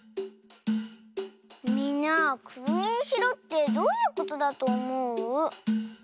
みんなくるみにしろってどういうことだとおもう？